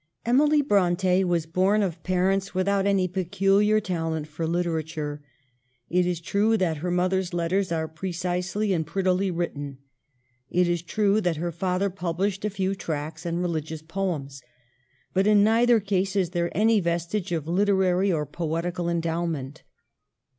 Emily Bronte was born of parents without any peculiar talent for literature. It is true that her mother's letters are precisely and pret tily written. It is true that her father pub lished a few tracts and religious poems. But in neither case is there any vestige of literary or poetical endowment.